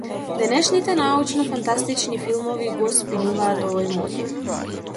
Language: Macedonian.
Денешните научно-фантастични филмови го спинуваат овој мотив.